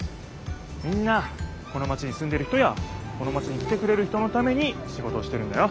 みんなこのマチにすんでる人やこのマチに来てくれる人のためにシゴトをしてるんだよ。